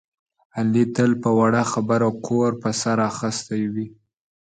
علي تل په وړه خبره کور په سر اخیستی وي.